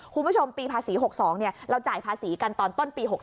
คุณผู้ชมปีภาษี๖๒เราจ่ายภาษีกันตอนต้นปี๖๓